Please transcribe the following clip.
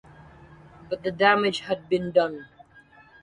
But the damage had been done.